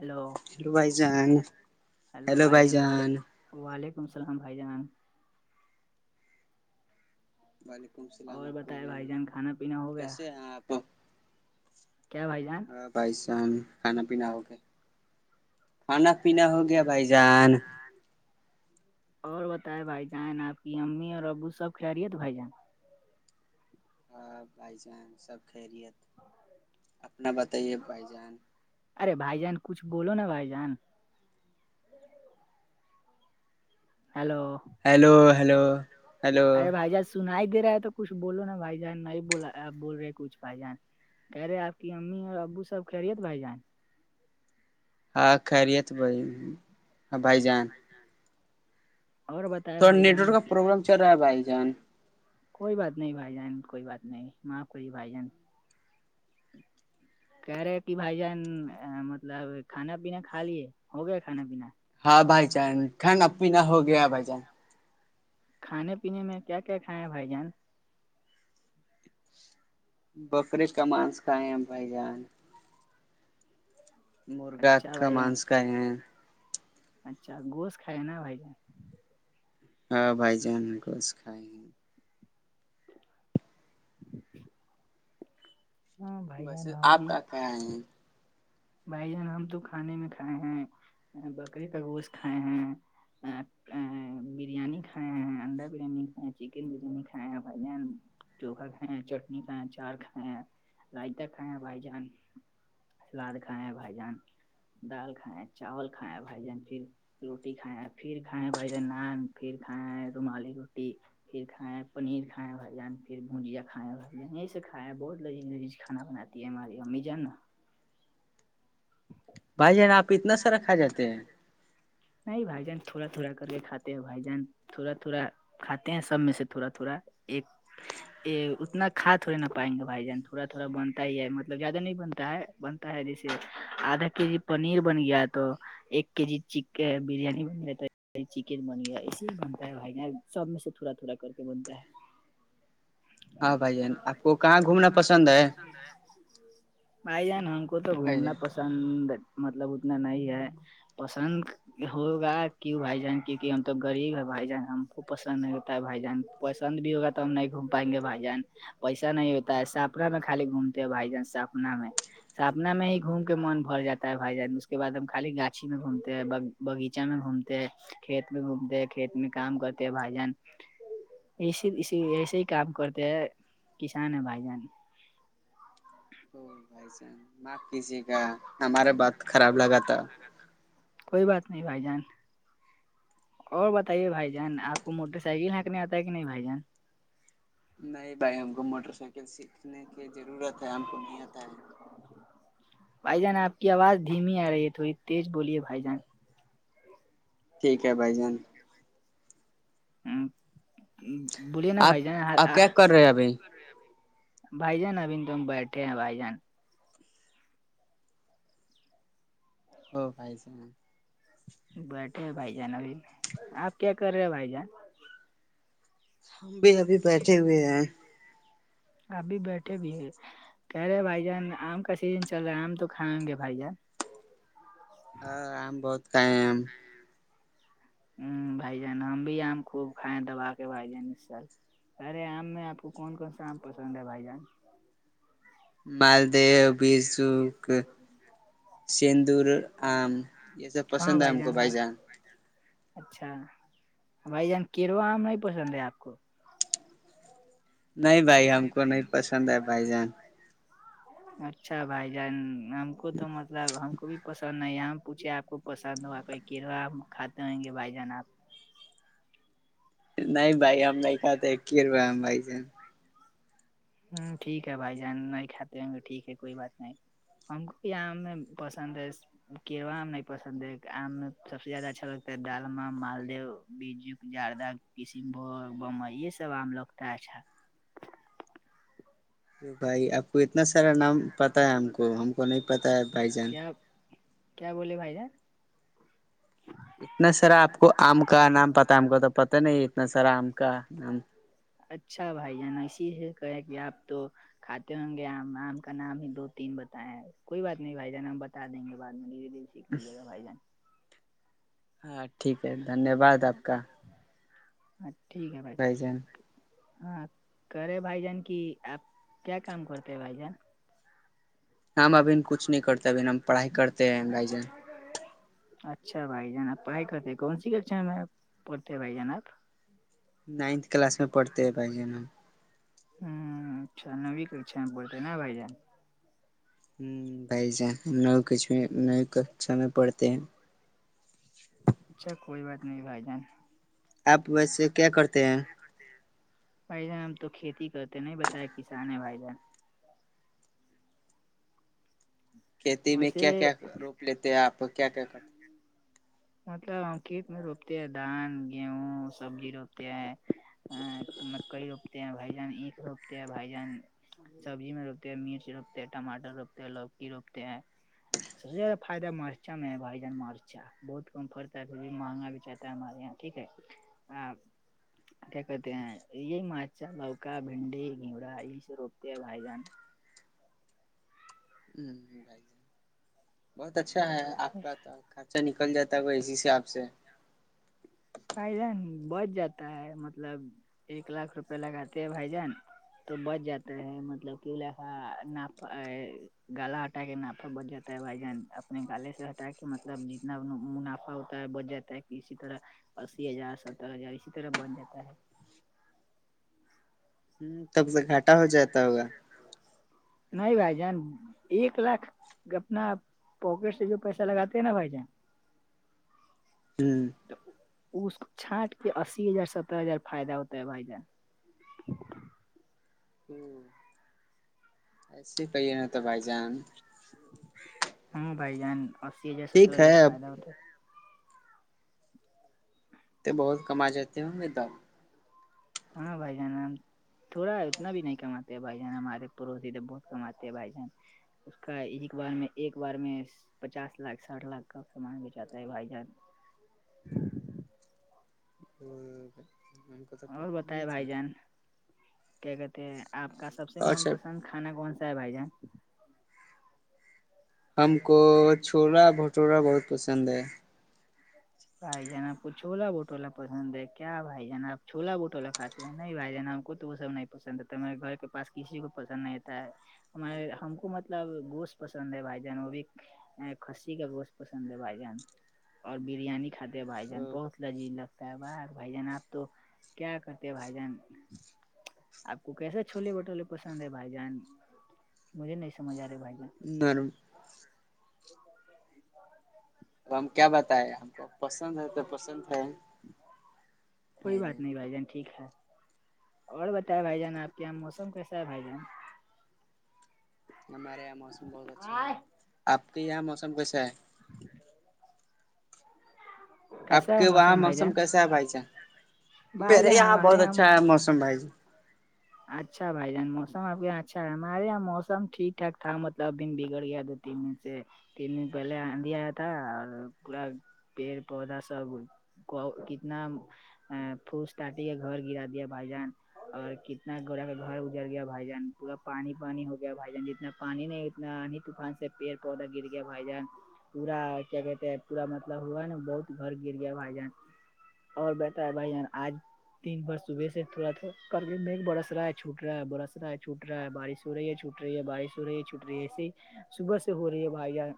hello hello بھائی جان hello بھائی جان وعلیکم السلام بھائی جناام وعلیکم السلام اور عقوب بتائے بھائی جان کھانا پینا ہو گیا کیسے ہیں آپ کیا بھائی جان بھ جان کھانا پینا ہو گیا کھانا پینا ہو گیا بھائی جان اور بتائے بھائی جان آپ کی امی اور ابو سب کھلا رہی ہے تو بھائی جان ہ بھائی جان سب کھیریت اپنا بتائیے بھائی جان ارے بھائی جان کچھ بولو نا بھائی جان ہیلو ہیلو ہلو ہلو سن ہی دے رہا ہے تو کچھ بولو نا بھائی جان نہیں بول رہے کچھ بھائی جان کہہ رہے آپ کی امی اور ابو سب کہہ رہیے تھ بھائی جان ہاں خیریت بھائی ہاں بھائی جان اورور بت تھوڑا نیٹ ورک کا پروبلم چل رہا ہے بھائی جان کوئی بات نہیں بھائی جان کوئی بات نہیں معاف کریے بھائی جان ا کہہ رہے کہ بھائی جان مطلب کھانا پینا کھا لیے ہو گیا کھانا پینا ہاں بھائی جان کھانا پین ہو گیا بھائی جان کھانے پینے میں کیا کیا کھائے ہیں بھائی جان بکرے کا مانسکا ہیں بھائی جان مرغا اچھا کا بھائی جان مانسکائے ہیں اچھا گوس کائے نا بھ ج ہاں بھ جانکش کائے [unintelligible] ہاں بھائی بس جان ہم آپ بھی کیا کہاں ہیں بھائی جان ہم تو کھانے میں کھائے ہیں بکریے کا گوشت کھائے ہیں ا بریانی کھایا ہیں انڈا بریانی کھیا ہیں چکن بریانی کھائے ہیں بھائی جان چوکھا کھائے ہیں چٹنی کھیں چار کھیں ہیں رائتا کھائے ہیں بھائی جان سلاد کھائےیں بھائی جان دال کھیں چاول کھائےیں بھائی جان پھر روٹی کھیں ہیں پھر کھائےیں ہیں بھائی جان نان پھر کھائےیں ہیں رومالی روٹی پھر کھائے ہیں پنیر کھائے ہیں بھ جان پھر بھجیا کھائے ہیں بھائی جان یہی سے کھائے ہے بہت لی لذی کانا بناتا ماری امی جائان نا بھائی جانا آپ اتنا سارا کھا جاتے ہیں نہیں بھائی جان تھوڑا تھوڑا کر کے کھاتے ہو بھائی جان تھوڑا تھوڑا کھاتے ہیں سب میں سے تھوڑا تھوڑا ایک یہ اتنا کھاد تھوڑے نہ پائیں گے بھائی جان تھوڑا تھوڑا بنتا ہی ہے مطلب زیادہ نہیں بنتا ہے بنتا ہے جیسے آدھا کے جی پنیر بن گیا تو ایک کے جی چ برییاانی بن رہتا ائی چکن بن گیا ایے بنتا ہے بھائی سب میں سے تھوڑا تھوڑا کر کے بنتا ہے [unintelligible] ہاں بھائی جان آپ کو کہاں گھومنا پسند ہے میںئی جانا ہم کو تو ا جی گھومنا پسند مطلب اتنا نہیں ہے پسند ہوگا کیوں بھائی جان کیک ہم تو غریب ہے بھائی جان ہم کو پسند نہیں ہوتا ہے بھائی جان پسند بھی ہوگا تو ہم نہیں گھوم پائیں گے بھائی جان پیسا نہیں ہوتا ہے ساپنا میں خالی گھومتے ہو بھائی جان ساپنا میں ساپنا میں ہی گھوم کے من بھر جاتا ہے بھائی جان اس کے بد ہم خالی گاچھی میں گھومتے ہیں باغیچہ میں گھومتے کھیت میں گھومتے کھیت میں کام کرتے ہیں بھائی جان اس اسی ایسے ہی کام کرتے ہیں کسان ہے بھائی جان بھائی جان معاف کیجے گا ہمارا بات خراب لگا تھا کوئی بات نہیں بھائی جان اور بتائیے بھائی جان آپ کو موٹر سائیکل ہھینکنے آتا ہے کہ نہیں بھائی جان نہیں بھائی ہم کو موٹر سائیکل سیکھنے کی ضرورت ہے ہم کو نہیں آتا ہے بھائی جان آپ کی آواز دھیمی آ رہی ہے تھوڑی تیز بولیے بھائی جان ٹھیک ہے بھائی جان ہ بولیے نا آپ بھائی ج آپ کیا کر رہے ہیں ابھی کر بھائی جان ابھی تو بیٹھے ہیں بھائی جان [unintelligible] بیٹھے بھائی جان ابھی آپ کیا کر رہے ہو بھائی جان ہم بھی ابھی بیٹھے ہوئے ہیں ابھی بیٹھے بھی ہے کہہ رہے بھائی جان آم کا سیزن چل رہا ہے آم تو کھائیں گے بھائی جان ہ آم بہت کائے ہیں آم ہ بھائی جان ہم بھی آم خوب کھائےیں دبا کے بھائی جان اس سال ارے آم میں آپ کو کون کون سا آم پسند ہے بھائی جان مالدیو بزوک سندور آم یہ سب ہاں پسند ہے بھائی ہم کو جان پائ ہاں جے اچھا بھائی جان کیروا آم نہیں پسند ہے آپ کو نہیں بھائی ہم کو نہیں پسند ہے بھائی جان اچھا بھائی جان ہم کو تو مطلب ہم کو بھی پسند ہے یہاں پوچھے آپ کو پسند ہوگا کو کیڑا کھاتے ہئ گے بھائی جان آپ نہیں بائی ہم نہیں کہتے ایک رہو ہم بائی سے ہوں ٹھیک ہے بھائی جان نہیں کاتے ہوں گے ٹھیک ہے کوئی بات نہیں ہم کو یہاںیں پسند ہے کیوا آم نہیں پسند ہے آم میں سب سے زیادہ اچھا لگتا ہے دال م مالد بیج جردہ کشن بھگ بمبئی یہ سب آم لوگتا اچھا بھائی آپ کو اتنا سارا نام پتا ہے ہم کو ہم کو نہیں پتاہ ہے بھائی جان کیا کیا بولے بھائی جان اتنا سارا آپ کو آم کا نام پتا آم کا تو پتا نہیں اتنا سارا آم کا نام اچھا بھائی جانا اسی کہے کہ آپ تو کھاتے ہوں گے آم آم کا نام ہی دو تین بتائے ہیں کوئی بات نہیں بھائی جان ہم بتا دیں گے بد میں دھیرے دھیرے سیکھ لیجی گ بھائی جان ہاں ٹھیک ہے دھنیہ واد آپ کا ہاں ٹھیک ہے بھائی ہاں کرے بھائی جان کی آپ کیا کام کرتے ہے بائی جان ہم ابھی کچھ نہیں کرتے اب ہم پڑھائی کرتے ہیں بھائی جان اچھا بھائی جان آپ پڑھائی کرتے ہیں کون سی کچا میں پڑھتے ہیں بھائی جان آپ نائنتھ کلاس میں پڑھتے ہیں بھائی جان ہم ہوں اچھا نو کچھا میں بولتے ہیں نا بھائی جان ہ بھائی ج کچ کچ سم پڑتے ہیں اچھا کوئی بات نہیں بھائی جان آپ ویسے کیا کرتے ہیں بھائی جان ہم تو کھیتی کرتے ہیں نہیں بتایا کسان ہے بھائی جان کھیتی میں کیا ویسے کیا روپ لیتے ہیں آپ کیا کیا کرتے مطلب ہم کھیت میں روپتے ہیں دھان گیہوں سبزی روپتے ہیں ہ مکئی روپتے ہیں بھائی جان اینکھ روپتے ہیں بھائی جان سبزی میں روپتے مرچ روپتے ہیں ٹماٹر روپتے ہیں لوکی روپتے ہیں [unintelligible] س سے زیادہ فائد ہے مرچا میں بائی جان مرچا بہت کم پرتا ہے پھر بھی مہنگا بھی چاہتا ہے ہمارے یہاں ٹھیک ہے کیا کرتے ہیں یہ مچھا لوک بھنڈی گھوڑا یہ س روپتے ہیں وھائی جان بھائی بہت اچھا ہے آپ کا تو خرچہ نکل جاتا ہے وہ اے سی سے آپ سے بھائی جان بچ جاتا ہے مطلب ایک لاکھ روپے لگاتے ہیں بھائی جان تو بچ جاتا ہے مطلب کہ لا نا گلاٹ ہٹا کے منافع بچ جاتا ہے بھائی جان اپنے گالے سے ہٹا کے مطلب جتنا منافع ہوتا ہے بچ جاتا ہے اسی طرح اسی ہزار ستر ہزار اسی طرح بن جاتا ہے ہ تب سے گھاٹا ہو جاتا ہوگا [unintelligible] نہیں بھائی جان ایک لاکھ اپنا پواکٹ سے جو پیسہ لگاتے ہیں نا بھائی جان [unintelligible] ہوں اس چھٹ کے اسی ہزار سترہ ہزار فائدہ ہوتا ہے بھائی جان ہوں ایسے کہیے ن تو بھائی جان ہاں بائی جان ای ہزار ستر ٹھیک ہزار ہے اب فائدہ ہوتا ہے [unintelligible] تو بہت کما جاتے ہوں گے دام ہاں بھ جان نام [unintelligible] تھوڑا اتنا بھی نہیں کماتے ہیں بھائی جان ہمارے پڑوسی تو بہت کماتے ہیں بھائی جان اس کا ایک بار میں ایک بار میں پچاس لاکھ ساٹھ لاکھ کا سامان بچاتا ہے بھائی جان ا [unintelligible] اور بتائے بھائی جان کیا کہتے ہیں آپ کا سب سے من پسند کانا کون سا ہے بائی جا [unintelligible] ہم کو چھلا بھٹورا بہت پسند ہے بھائی جان آپ کو چھولا بٹولہ پسند ہے کیا بھائی جان آپ چھولا بٹولا کھاتے نہیں بھائی جان ہم کو تو وہ سب نہیں پسند آتا ہمے گھر کے پاس کسی کو پسند نہیںتا ہے [unintelligible] ہمار ہم کو مطلب گوشت پسند ہے بھائی جان وہ بھی کسی کا گوشت پسند ہے بھائی جان اور بریانی [unintelligible] ھاتے بھائی جان بہت لذیذ لگتا ہے باہ بھائی جان آپ تو کیا کرتے بھائی جان آپ کو کیسے چھولے بھٹولے پسند ہے بھائی جان مجھے نہیں سمجھ آ رہے بھائی جان دان [unintelligible] اب ہم کیا بتائے ہم کو پسند ہے تو پسند ہے کوئی بات نہیں بھائی جان ٹھیک ہے اور بتائے بھائی جان آپ کے یہاں موسم کیسا ہے بھائی جان ہمارے یہاں موسم بہت اچھا ہے آپ کے یہاں موسم کیسا ہے آپ کیسا ہے کے وہاں بھائی جان موسم کیسا ہے بھائی جان بھائی میرے جان یہاں ہمارے بہت اچھا ہے موسم بھائی ج اچھا بھائی جان موسم آپ کے یہاں اچھا ہے ہمارے یہاں موسم ٹھیک ٹھاک تھاھ ملب بگڑ گیا تھا [unintelligible] تین مٹ سے تین منٹ پہلے آندھی آیا تھا اور پ پیڑ پودا سب کو کتنا ا پھوس تٹی کے گھر گرا دیا بھائی جان اور اتنا گوڑا کا گھر گجر گیا بھائی جان پورا پانی پانی ہو گیا بھائی جان جتنا پانی نہیں اتنا اننی طوفان سے [unintelligible] پڑ پودا گر گیا بھائی جان پورا کیا کہتے پورا مطلب ہوا ہے نا بہت گھر گر گیا بھائی جان اور بیٹا ہے بھائیان آج دن بھر صبح سے تھوڑا تھوڑا کر م [unintelligible] برس رہا ہے چھوٹ رہا ہے برس رہا ہے چھٹ رہا ہے بارش ہو رہی ہے چھوٹ رہی ہے بارش ہو رہی ہے چھٹ رہی ہے ایے صبح سے ہو رہی ہے بھائی جان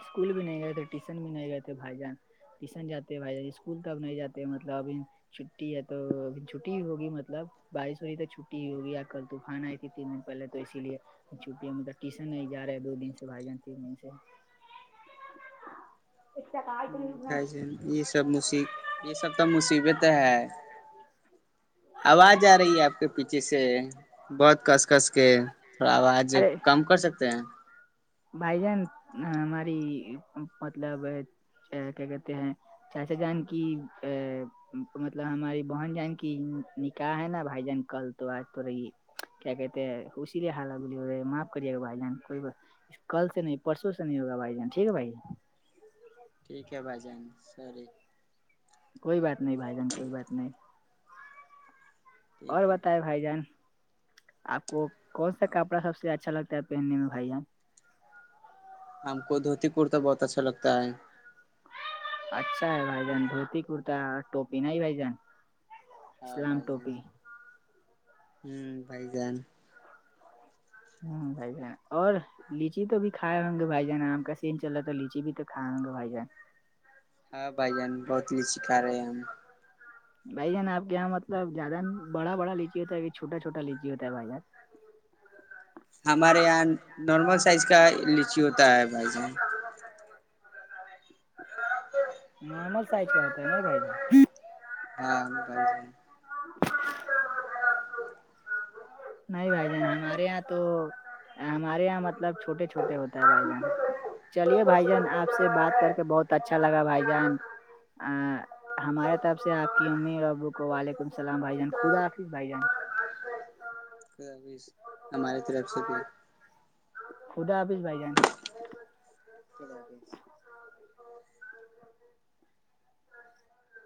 اسکول بھی نہیں گئے تھے ٹیوشن بھی نہیں گئے تھے بھائی جان ٹیوشن جاتے ہیں بھائی اسکول کاب نہیں جاتے مطلب اب [unintelligible] چھٹی ہے توب چھٹی ہوگی مطلب [unintelligible] بارش ہوی تو چھٹی ہی ہوگی آ کل طوفان آئی تھی تین دن پہلے تو اسی لیے چھٹی میں تو ٹیشن نہیں جا رہے دو دن سے بھائی جان تین دن سے [inaudible] ہ یہ سب مصیب یہ سب تو مصیبت ہے آواز آ رہی ہے آپ کے پیچھے سے بہت کس کس کے تھوڑا آواز ارے کم کر سکتے ہیں بھائی جان ہماری مطلب کیا کہتے ہیں چاچا جان کی ا مطلب ہماری بہن جہن کی نکاح ہے نا بھائی جان کل تو آج تو رہی کیا کہتے اسی لیے حالت ب ہو معاف کریے گا بھائی جان کو کل سے نہیں پرسوں سے نہیں ہوگا بھائی جان ٹھیک ہے بھائی ٹھیک ہے بھائی جان سور کوئی بات نہیں بھائی جان کوئی بات نہیں اور ٹھیک ہے بتائے بھائی جان آپ کو کون سا کپڑا سب سے اچھا لگتا ہے بھائی ہم کو دھوتی کرتا بہت اچھا لگتا ہے اچھا ہے بھائی جان دھوتی کررتا ٹوپی نہیں بھائی جان ہاں اسلام بھائی جان ٹوپی ہ بھائی جان ہوں بائی اور لیچی تو بھی کھائے ہوں گے بھائی جان آم کا سین چل رہ تھا لیچی بھی تو کھائے ہوں گے بھائی جان ہاں بھائی جان بہت ہی سکھا رہے ہیں ہم بھائی جان آپ کے یہاں مطلب زیادہ بڑا بڑا لیچی ہوتا ہے کہ چوٹا چھوٹا لیچی ہوتا ہے بھائی جان ہمارے یہاں نارمل سائز کا لیچی ہوتا ہے بھائی جان نارمل سائز کا ہوتا ہے نہی بھائی ہاں نہیں بھائی جان ہمارے یہاں تو ہمارے یہاں مطلب چھوٹے چھوٹے ہوتا ہے بھائی جان چلیے بھائی جان آپ سے بات کر کے بہت اچھا لگا بھائی جان ا ہمارے طرف سے آپ کی امی اور ابو کو ولیکم السلام بھائی جان خدا حافظ بھائی جان اللہ حافظ ہمارے طرف سے بھی خدا حافظ بھائی جان جی ہاں